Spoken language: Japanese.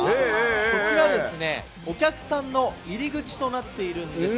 こちら、お客さんの入り口となっているんです。